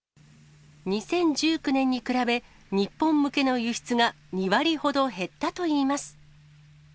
２０１９年に比べ、日本向けの輸出が２割ほど減ったといいます。